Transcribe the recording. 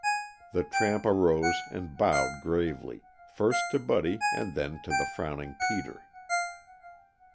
The tramp arose and bowed gravely, first to Buddy and then to the frowning Peter.